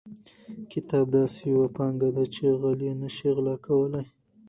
کتاب داسې یوه پانګه ده چې غل یې نشي غلا کولی.